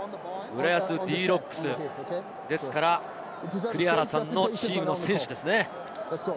浦安Ｄ−Ｒｏｃｋｓですから栗原さんのチームの選手ですね。